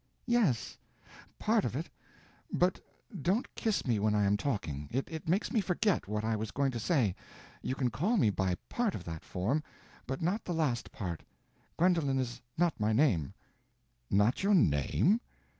"Yes—part of it. But—don't kiss me when I am talking, it makes me forget what I was going to say. You can call me by part of that form, but not the last part. Gwendolen is not my name." "Not your name?"